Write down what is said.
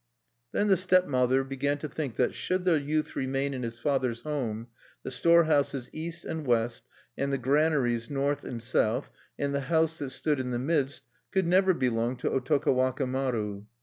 Then the stepmother began to think that should the youth remain in his father's home, the store houses east and west, and the granaries north and south, and the house that stood in the midst, could never belong to Otowaka maru.